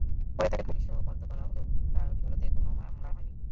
পরে তাঁকে পুলিশে সোপর্দ করা হলেও তাঁর বিরুদ্ধে কোনো মামলা হয়নি।